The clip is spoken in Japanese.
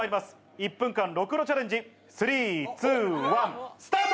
１分間ろくろチャレンジ、スリー、ツー、ワン、スタート！